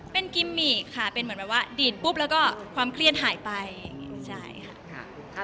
เป็นกิมมี่ค่ะเป็นเหมือนว่าดีนปุ๊บแล้วก็ความเคลี้ยงหายไปใช่ค่ะ